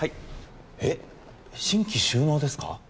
えっ新規就農ですか？